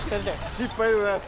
失敗でございます